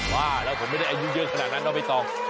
ว่าแล้วผมไม่ได้อายุเยอะขนาดนั้นเนาะไม่ต้อง